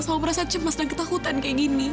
selalu merasa cemas dan ketakutan kayak gini